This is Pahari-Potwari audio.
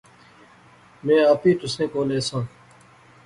میں آپی تسیں کول ایساں